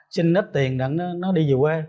xin ít tiền để nó đi về quê